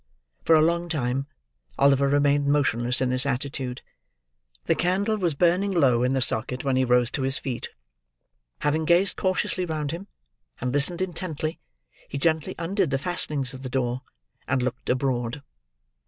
For a long time, Oliver remained motionless in this attitude. The candle was burning low in the socket when he rose to his feet. Having gazed cautiously round him, and listened intently, he gently undid the fastenings of the door, and looked abroad.